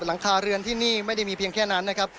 หลังคาเรือนที่นี่ไม่ได้มีเพียงแค่นั้นนะครับ